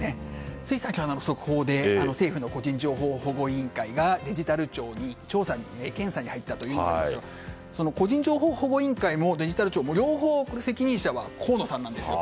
つい先ほど速報で政府の個人情報保護委員会がデジタル庁に検査に入ったとありましたがその個人情報保護委員会もデジタル庁も両方、責任者は河野さんなんです。